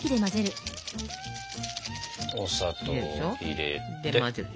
お砂糖を入れて。